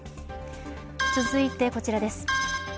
続いてこちらです。